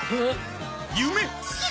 夢